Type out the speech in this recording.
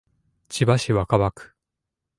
千葉市若葉区